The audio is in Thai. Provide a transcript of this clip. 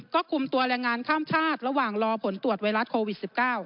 ก็คุมตัวแรงงานข้ามชาติระหว่างรอผลตรวจไวรัสโควิด๑๙